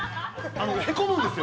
あのへこむんですよ。